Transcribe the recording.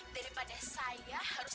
daripada saya harus